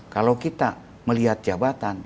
kalau kita melihat jabatan